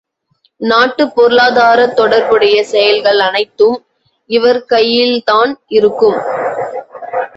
நாட்டுப் பொருளாதாரத்தொடர்புடைய செயல்கள் அனைத்தும் இவர்கள்கையில்தான் இருக்கும்.